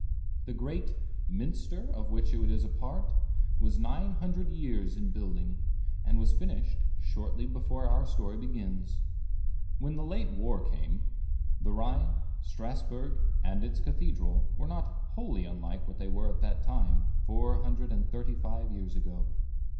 The great Minster of which it is a part, was nine hundred years in building, and was finished shortly before our story begins. When the late war came, the Rhine, Strasbourg, and its Cathedral, were not wholly unlike what they were at that time, four hundred and thirty five years ago.